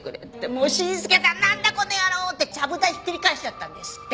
もう伸介さんなんだこの野郎！ってちゃぶ台ひっくり返しちゃったんですって。